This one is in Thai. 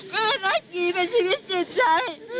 แม่รักอี๋เป็นชีวิตสิบใจ